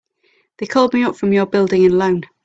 They called me up from your Building and Loan.